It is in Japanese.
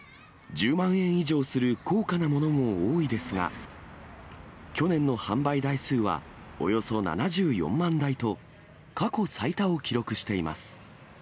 １０万円以上する高価なものも多いですが、去年の販売台数はおよそ７４万台と、過去最多を記録しています。